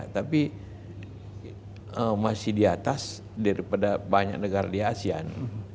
tapi masih di atas daripada banyak negara di asean